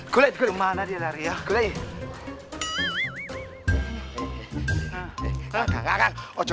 gulai gulai mana dia lari ya gue